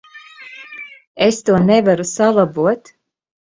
Es to nevaru salabot.